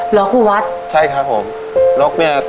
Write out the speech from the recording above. หรือครูวัฒน์ใช่ครับผมนกเนี่ย